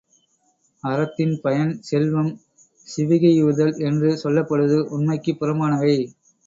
அறத்தின் பயன் செல்வம், சிவிகையூர்தல் என்று சொல்லப்படுவது உண்மைக்குப் புறம்பானவை.